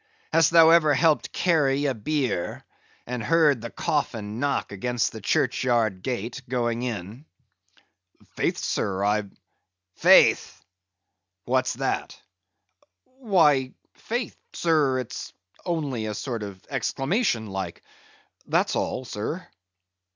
Hast thou ever helped carry a bier, and heard the coffin knock against the churchyard gate, going in? "Faith, sir, I've——" "Faith? What's that?" "Why, faith, sir, it's only a sort of exclamation like—that's all, sir."